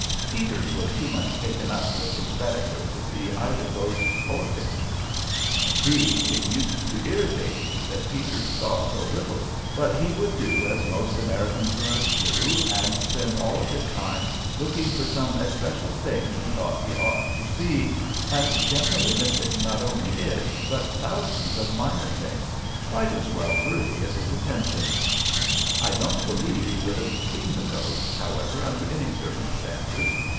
Peters was too much taken up with his Baedeker to see either ghosts or pictures. Indeed, it used to irritate me that Peters saw so little, but he would do as most American tourists do, and spend all of his time looking for some especial thing he thought he ought to see, and generally missing not only it, but thousands of minor things quite as well worthy of his attention. I don't believe he would have seen the ghost, however, under any circumstances.